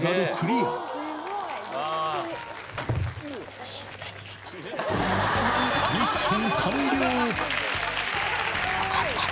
よかったね。